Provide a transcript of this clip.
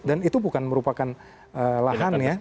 dan itu bukan merupakan lahan ya